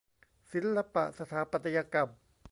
ศิลปะสถาปัตยกรรม